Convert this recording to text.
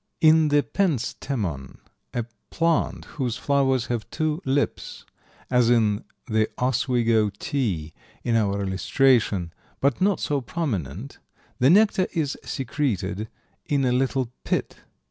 In the Pentstemon, a plant whose flowers have two lips, as in the Oswego Tea in our illustration, but not so prominent, the nectar is secreted in a little pit.